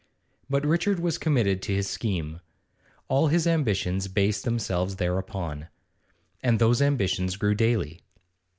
But Richard was committed to his scheme; all his ambitions based themselves thereupon. And those ambitions grew daily.